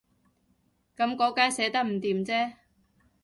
噉嗰間寫得唔掂啫